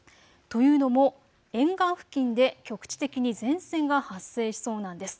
というのも、沿岸付近で局地的に前線が発生しそうなんです。